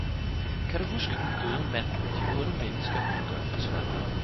Kan du huske den døde mand, de onde mennesker ville gøre fortræd